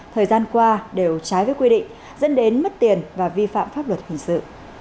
thời gian qua đều trái với quy định dẫn đến mất tiền và vi phạm pháp luật hình sự